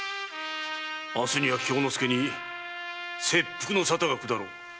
明日には京之介に切腹の沙汰が下ろう。